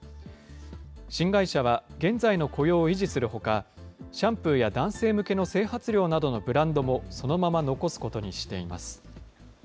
新会社は現在の雇用を維持するほか、シャンプーや男性向けの整髪料などのブランドも、そのまま残すこ